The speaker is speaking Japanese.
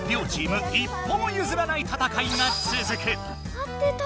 合ってた！